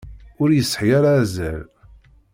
Ur yesɛi ara azal!